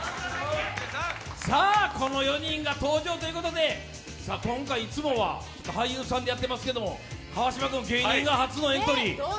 この４人が登場ということで今回いつもは俳優さんでやっていますけど川島君、芸人が初のエントリー。